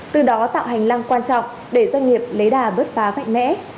từ đó tạo hành lăng quan trọng để doanh nghiệp lấy đà bớt phá mạnh mẽ